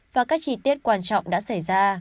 và các chi tiết quan trọng đã xảy ra